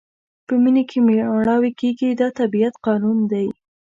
په مني کې مړاوي کېږي دا د طبیعت قانون دی.